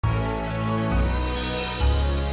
ini pas gue punya dari pak surya board